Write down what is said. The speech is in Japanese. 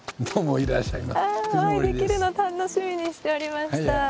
お会いできるの楽しみにしておりました。